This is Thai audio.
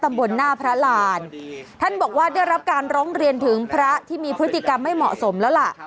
บนหน้าพระรานท่านบอกว่าได้รับการร้องเรียนถึงพระที่มีพฤติกรรมไม่เหมาะสมแล้วล่ะ